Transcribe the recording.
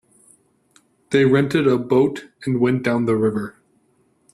They rented a boat and went down the river.